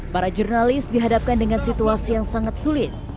para jurnalis dihadapkan dengan situasi yang sangat sulit